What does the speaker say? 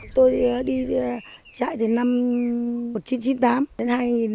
tôi đi chạy từ năm một nghìn chín trăm chín mươi tám đến hai nghìn một mươi